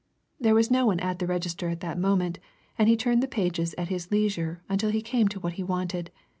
There was no one at the register at that moment, and he turned the pages at his leisure until he came to what he wanted.